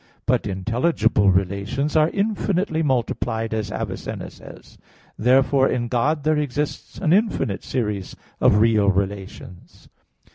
But intelligible relations are infinitely multiplied, as Avicenna says. Therefore in God there exists an infinite series of real relations.